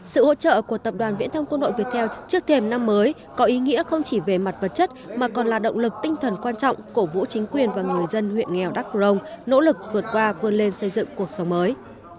sự hỗ trợ của tập đoàn viễn thông quân đội việt theo trước thềm năm mới có ý nghĩa không chỉ về mặt vật chất mà còn là động lực tinh thần quan trọng cổ vũ chính quyền và người dân huyện nghèo đắk rồng nỗ lực vượt qua vươn lên xây dựng cuộc sống mới